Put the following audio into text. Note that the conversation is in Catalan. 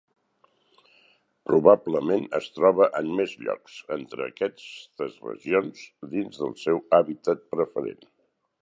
Probablement es troba en més llocs entre aquestes regions dins del seu hàbitat preferent.